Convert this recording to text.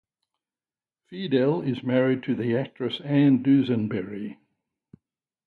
Fiedel is married to the actress Ann Dusenberry.